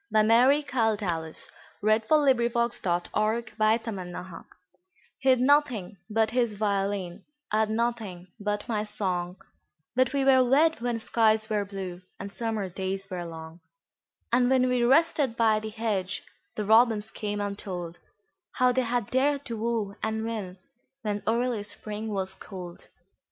By Mary KyleDallas 1181 He 'd Nothing but His Violin HE 'D nothing but his violin,I 'd nothing but my song, But we were wed when skies were blueAnd summer days were long; And when we rested by the hedge, The robins came and toldHow they had dared to woo and win, When early Spring was cold.